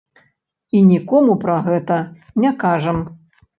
І нікому пра гэта не кажам.